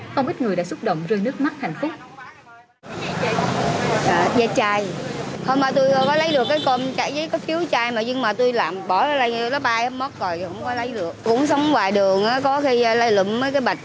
không ít người đã xúc động rơi nước mắt hạnh phúc